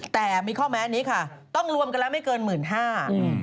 แต่มีข้อแม้นี้ค่ะต้องรวมกันแล้วไม่เกินหมื่นห้า